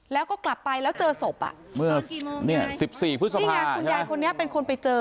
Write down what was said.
แล้วก็กลับไปแล้วเจอศพคุณยายคนนี้เป็นคนไปเจอ